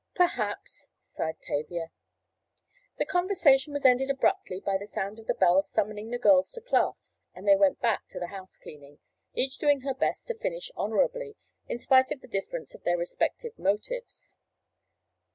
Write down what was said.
"Perhaps," sighed Tavia. The conversation was ended abruptly by the sound of the bell summoning the girls to class, and they went back to the "house cleaning," each doing her best to finish honorably, in spite of the difference of their respective motives.